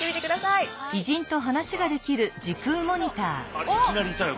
あれいきなりいたよ